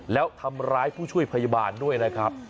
แล้วทำร้ายผู้ช่วยพยาบาลด้วยนะครับ